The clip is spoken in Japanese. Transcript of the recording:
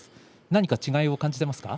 何か違いを感じていますか。